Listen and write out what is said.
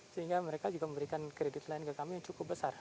sehingga mereka juga memberikan kredit lain ke kami yang cukup besar